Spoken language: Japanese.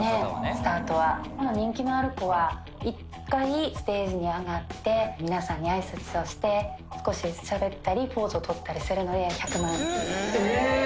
スタートは人気のある子は１回ステージに上がって皆さんに挨拶をして少ししゃべったりポーズを取ったりするので１００万円ええっ